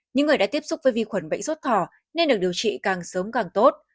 những người đã tiếp xúc với vi khuẩn bệnh rút thỏ nên được điều trị càng sớm càng tốt